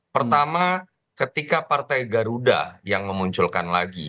pertama ketika partai garuda yang memunculkan lagi